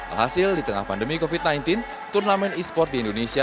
alhasil di tengah pandemi covid sembilan belas turnamen e sport di indonesia